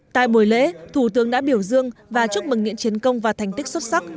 tại buổi lễ thủ tướng đã biểu dương và chúc mừng nghiện chiến công và thành tích xuất sắc